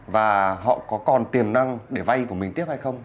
và họ có còn tiềm năng để vay của mình tiếp hay không